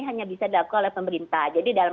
hanya bisa dilakukan oleh pemerintah jadi dalam